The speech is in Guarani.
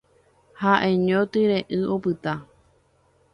Ha'eño tyre'ỹ opyta.